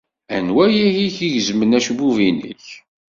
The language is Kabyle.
Anwa ay ak-igezmen acebbub-nnek?